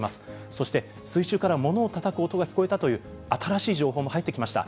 そして、水中からものをたたく音が聞こえたという新しい情報も入ってきました。